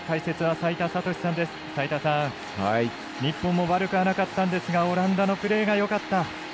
齋田さん、日本も悪くはなかったんですがオランダのプレーがよかった。